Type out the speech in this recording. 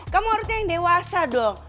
kamu harusnya yang dewasa dong